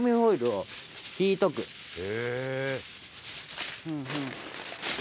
「へえ」